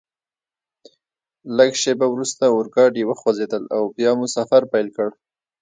لږ شیبه وروسته اورګاډي وخوځېدل او بیا مو سفر پیل کړ.